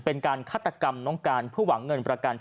โป่งแร่ตำบลพฤศจิตภัณฑ์